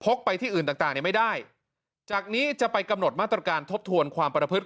ไปที่อื่นต่างต่างเนี่ยไม่ได้จากนี้จะไปกำหนดมาตรการทบทวนความประพฤติ